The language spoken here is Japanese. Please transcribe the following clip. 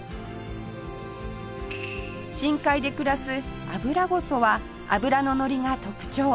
深海で暮らすアブラゴソは脂ののりが特徴